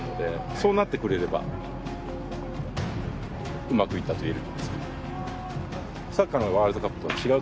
そうなってくれればうまくいったといえる。